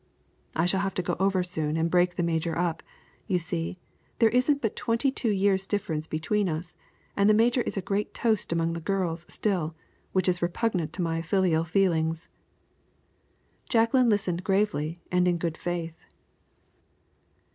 "I shall have to go over soon and break the major up. You see, there isn't but twenty two years' difference between us, and the major is a great toast among the girls still, which is repugnant to my filial feelings." Jacqueline listened gravely and in good faith.